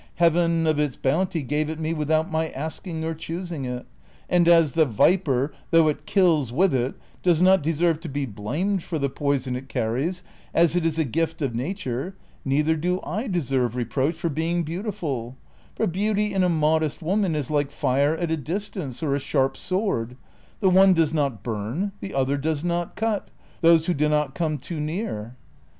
Heaven of its bounty gave it me without my asking or choosing it ; and as the viper, thoiigh it kills with it, does not deserve to be blamed for the poison it carries, as it is a gift of nature, neither do I deserve reproach for being beautiful ; for beauty in a modest woman is like fire at a distance or a sharp sword ; the one does not burn, the other does not cut, those who do not come too near.